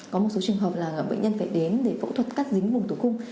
có một số trường hợp là bệnh nhân phải đến để phẫu thuật cắt dính vùng tử cung